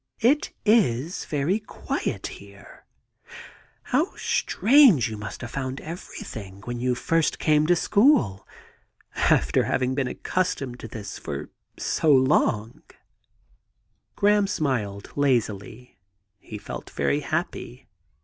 * It is very quiet here. ... How strange you must have found everything when you first came to school! — after having been accustomed to this for so long.' 70 THE GARDEN GOD Graham smiled lazily. He felt very happy.